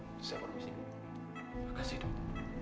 terima kasih dok